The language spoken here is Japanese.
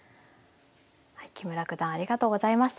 木村九段ありがとうございました。